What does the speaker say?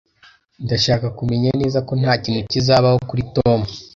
Ndashaka kumenya neza ko ntakintu kizabaho kuri Tom